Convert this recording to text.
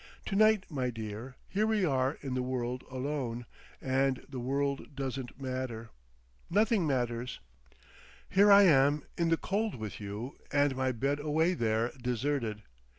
To night my dear, here we are in the world alone—and the world doesn't matter. Nothing matters. Here I am in the cold with you and my bed away there deserted.